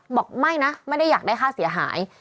บอกไม่นะไม่ได้อยากได้ค่าเสียหาย